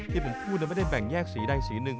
ที่ผมพูดไม่ได้แบ่งแยกสีใดสีหนึ่ง